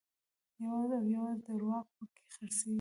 یوازې او یوازې درواغ په کې خرڅېږي.